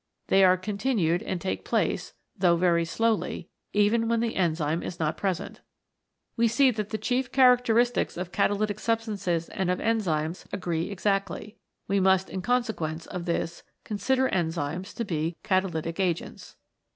They are continued and take place, though very slowly, even when the enzyme is not present. We see that H 97 CHEMICAL PHENOMENA IN LIFE the chief characteristics of catalytic substances and of enzymes agree exactly. We must in consequence of this consider enzymes to be catalytic agents.